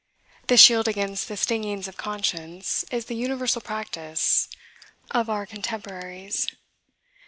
The shield against the stingings of conscience, is the universal practice, or our contemporaries.